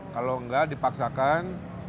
kalau enggak dipaksakan